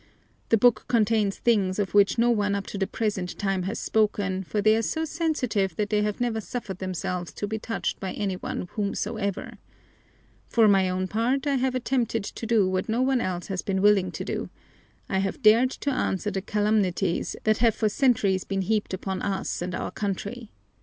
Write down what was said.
The book contains things of which no one up to the present time has spoken, for they are so sensitive that they have never suffered themselves to be touched by any one whomsoever. For my own part, I have attempted to do what no one else has been willing to do: I have dared to answer the calumnies that have for centuries been heaped upon us and our country.